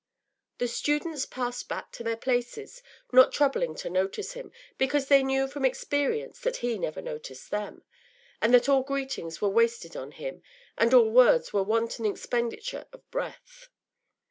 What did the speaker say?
The students passed back to their places, not troubling to notice him, because they knew from experience that he never noticed them, and that all greetings were wasted on him and all words were wanton expenditure of breath.